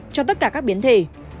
cho tất cả các biến thể